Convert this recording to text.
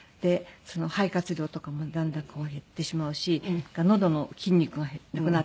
肺活量とかもだんだん減ってしまうしのどの筋肉がなくなって。